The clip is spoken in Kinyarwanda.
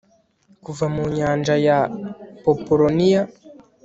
Kuva mu nyanja ya populoniya